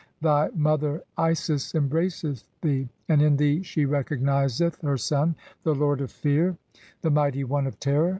"Thy mother Isis cmbraccth thec, and in thee she recognizeth "her son, the lord of fear, the mighty one of terror.